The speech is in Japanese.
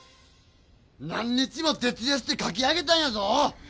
何日もてつ夜してかき上げたんやぞ！